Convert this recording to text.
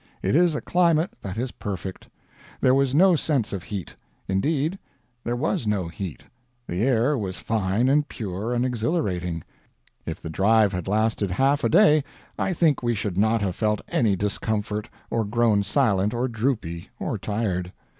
It is a climate that is perfect. There was no sense of heat; indeed, there was no heat; the air was fine and pure and exhilarating; if the drive had lasted half a day I think we should not have felt any discomfort, or grown silent or droopy or tired.